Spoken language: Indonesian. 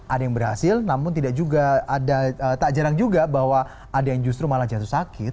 ada yang berhasil namun tidak juga ada tak jarang juga bahwa ada yang justru malah jatuh sakit